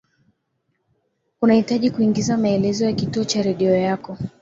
unahitaji kuingiza maelezo ya kituo cha redio yako